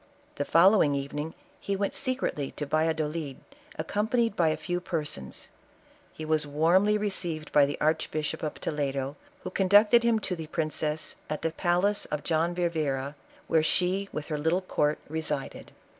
The follow ing evening he went secretly to Yalludolid, accompa nied by a few persons; he was warmly received by the Archbishop of Toledo, who conducted him to the princess, at the palace of John Vivero, where she with her little court resided.